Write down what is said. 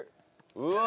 うわ！